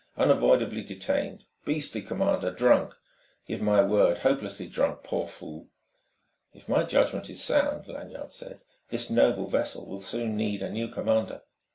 unavoidably detained ... beastly commander ... drunk. Give 'my word, hopelessly drunk. Poor fool...." "If my judgment is sound," Lanyard said, "this noble vessel will soon need a new commander."